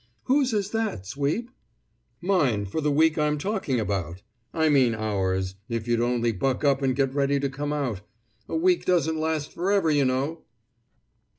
"Whose is that, Sweep?" "Mine, for the week I'm talking about! I mean ours, if you'd only buck up and get ready to come out! A week doesn't last forever, you know!"